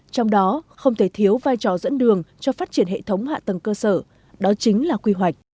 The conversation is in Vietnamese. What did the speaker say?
trong đó không thể thiếu vai trò dẫn đường cho phát triển hệ thống hạ tầng cơ sở đó chính là quy hoạch